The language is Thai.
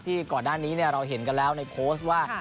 ก่อนหน้านี้เราเห็นกันแล้วในโค้ชว่า